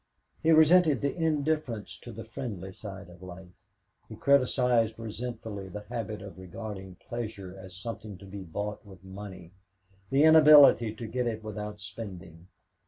He resented the indifference to the friendly side of life. He criticized resentfully the habit of regarding pleasure as something to be bought with money the inability to get it without spending.